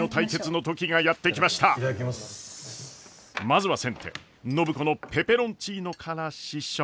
まずは先手暢子のペペロンチーノから試食。